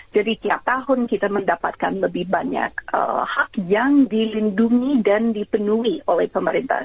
jadi tiap tahun kita mendapatkan lebih banyak hak yang dilindungi dan dipenuhi oleh pemerintah